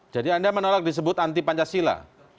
jadi anda menolak disebut anti pancasila